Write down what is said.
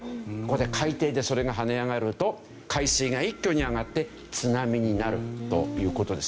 海底でそれが跳ね上がると海水が一挙に上がって津波になるという事ですね。